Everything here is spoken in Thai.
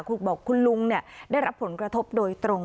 คุณบอกคุณลุงได้รับผลกระทบโดยตรง